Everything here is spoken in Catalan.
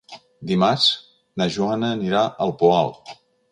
Dimarts na Joana anirà al Poal.